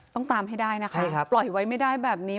ตามให้ได้นะคะปล่อยไว้ไม่ได้แบบนี้